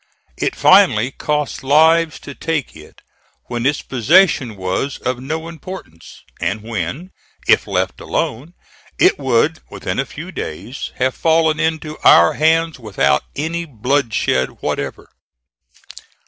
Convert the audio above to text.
It finally cost lives to take it when its possession was of no importance, and when, if left alone, it would within a few days have fallen into our hands without any bloodshed whatever.